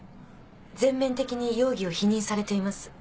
全面的に容疑を否認されています。